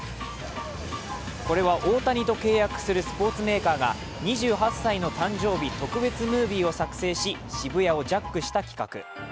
これは大谷と契約するスポーツメーカーが２８歳の誕生日特別ムービーを作成し渋谷をジャックした企画。